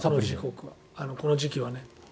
この時期はね。